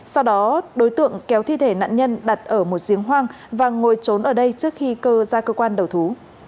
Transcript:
sau đó đối tượng kéo thi thể nạn nhân đặt ở một giếng hoang và ngồi trốn ở đây trước khi cơ ra cơ quan đầu thú